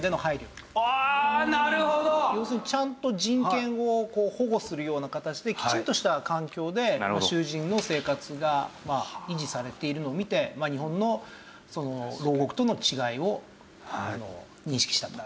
要するにちゃんと人権を保護するような形できちんとした環境で囚人の生活が維持されているのを見て日本の牢獄との違いを認識したと。